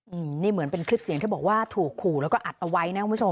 อืมนี่เหมือนเป็นคลิปเสียงที่บอกว่าถูกขู่และอดเอาไว้